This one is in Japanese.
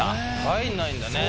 入んないんだね。